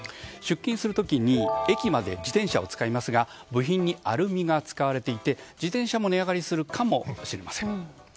出勤する時に駅まで自転車を使いますが部品にアルミが使われていて自転車も値上がりするかもしれません。